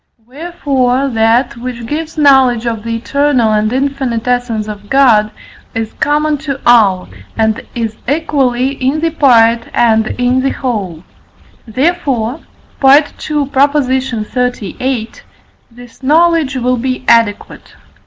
Wherefore, that, which gives knowledge of the eternal and infinite essence of God, is common to all, and is equally in the part and in the whole; therefore (II. xxxviii.) this knowledge will be adequate.